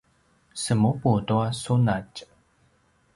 semupu tua sunatj